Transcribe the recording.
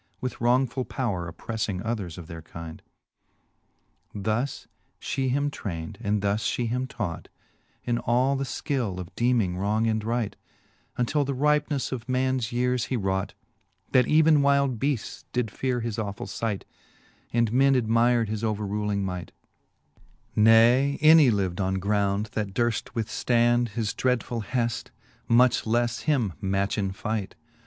With wrongfull powre opprclTmg others of their kind. VIII. Thus 8 The fifth Booke of Canto I. VIII. Thus fhe him trayned, and thus fhe him taught, In all the skill of deeming wrong and right, Untill the ripenefTe of mans yeares he raught ; That even wilde beafts did feare his awfull fight, And men admyr'd his overruling might ; Ne any livd on ground, that durft withftand His dreadful heaft, much lefle him match in fight.